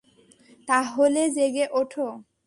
তাহলে জেগে ওঠো।